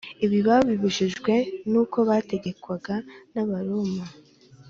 . Ibi babibujijwe n’uko bategekwaga n’Abaroma